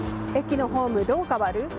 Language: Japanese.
駅のホーム、どう変わる？